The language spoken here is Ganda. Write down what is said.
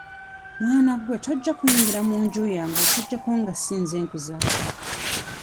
Mwana gwe tojja kuyingira mu nju yange okuggyako nga si nze nkuzaala.